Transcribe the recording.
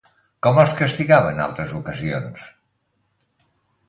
Com els castigava en altres ocasions?